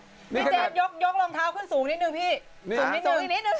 พี่แจ๊ดยกลองเท้าขึ้นสูงนิดหนึ่งพี่